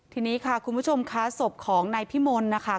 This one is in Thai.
ทีนี้ค่ะคุณผู้ชมค่ะศพของนายพิมลนะคะ